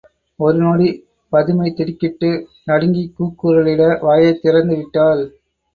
ஒரு நொடி, பதுமை திடுக்கிட்டு நடுங்கிக் கூக்குரலிட வாயைத் திறந்துவிட்டாள்.